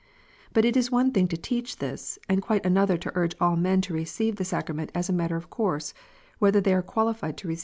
But it is one thing to teach this, and quite another to urge all men to receive the sacrament as a matter of course, Avhether they are qualified to receive it or not.